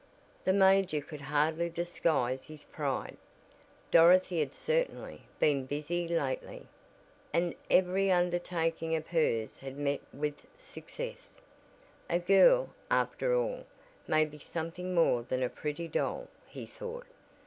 The major could hardly disguise his pride Dorothy had certainly "been busy" lately, and every undertaking of hers had met with success. A girl, after all, may be something more than a pretty doll, he thought.